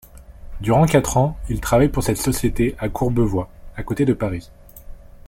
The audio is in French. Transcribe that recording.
Durant quatre ans, il travaille pour cette société à Courbevoie, à côté de Paris.